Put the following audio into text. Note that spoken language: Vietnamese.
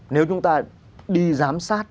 nếu chúng ta đi giám sát